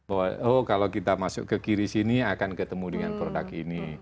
oh kalau kita masuk ke kiri sini akan ketemu dengan produk ini